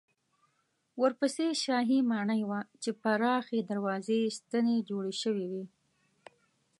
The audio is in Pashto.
ورپسې شاهي ماڼۍ وه چې پراخې دروازې یې ستنې جوړې شوې وې.